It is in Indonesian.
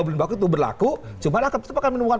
bulan baku itu berlaku cuma akan menemukan